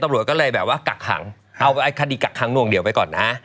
ตำรวจก็เลยแบบว่ากักขังเอาคดีกักขังหน่วงเหนียวไปก่อนนะ